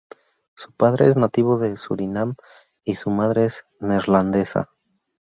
Su padre es nativo de Surinam y su madre es neerlandesa.